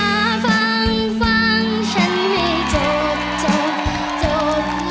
ถ้าฟังฟังฉันมีโจทย์โจทย์โจทย์